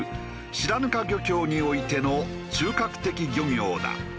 白糠漁協においての中核的漁業だ。